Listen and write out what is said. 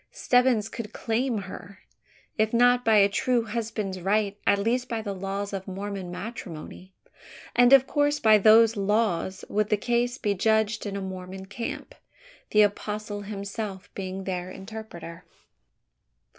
Stebbins could claim her if not by a true husband's right, at least by the laws of Mormon matrimony; and of course by those laws would the case be judged in a Mormon camp the apostle himself being their interpreter!